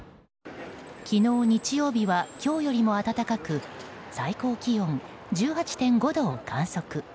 昨日日曜日は今日よりも暖かく最高気温１８．５度を観測。